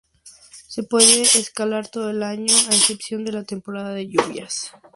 Se puede escalar todo el año a excepción de la temporada de lluvias.